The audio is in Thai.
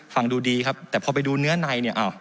ฟังดูดีครับแต่พอไปดูเนื้อในเนี่ย